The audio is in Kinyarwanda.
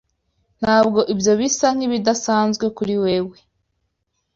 Ntabwo ibyo bisa nkibidasanzwe kuri wewe?